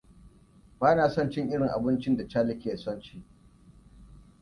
Bana son cin irin abincin da Cherlie ke son ci.